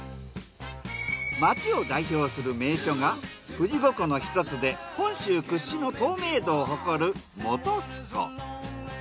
町を代表する名所が富士五湖のひとつで本州屈指の透明度を誇る本栖湖。